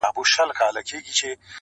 زه په خیال کي شاه جهان د دې جهان وم -